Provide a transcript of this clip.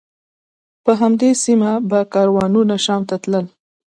په همدې سیمه به کاروانونه شام ته تلل.